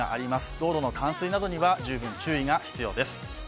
道路の冠水などには十分注意が必要です。